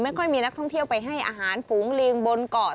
ค่อยมีนักท่องเที่ยวไปให้อาหารฝูงลิงบนเกาะ